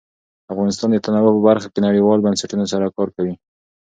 افغانستان د تنوع په برخه کې نړیوالو بنسټونو سره کار کوي.